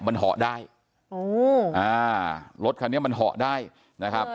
มันเหาะได้โอ้อ่ารถคันนี้มันเหาะได้นะครับ